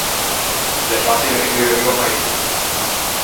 L’é façile che no î veddiò mai ciù.